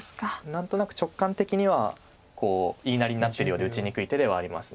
何となく直感的には言いなりになってるようで打ちにくい手ではあります。